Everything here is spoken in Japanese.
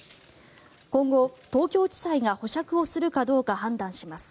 今後、東京地裁が保釈をするかどうか判断します。